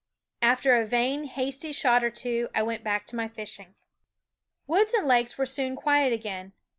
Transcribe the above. After a vain, hasty shot or two I went back to my fishing. Woods and lake were soon quiet again.